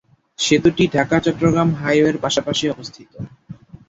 সেতুটি ঢাকা-চট্টগ্রাম হাইওয়ের পাশাপাশি অবস্থিত।